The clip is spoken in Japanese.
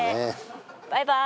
バイバーイ！